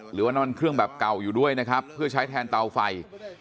หรือว่านอนเครื่องแบบเก่าอยู่ด้วยนะครับเพื่อใช้แทนเตาไฟ